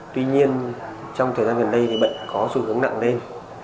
tuy nhiên trong thời gian gần đây thì bệnh có xu hướng nặng lên